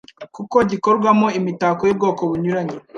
kuko gikorwamo imitako y'ubwoko bunyuranye,